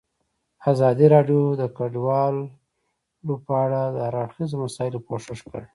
ازادي راډیو د کډوال په اړه د هر اړخیزو مسایلو پوښښ کړی.